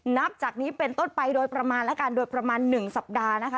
นับจากนี้เป็นต้นไปโดยประมาณแล้วกันโดยประมาณ๑สัปดาห์นะคะ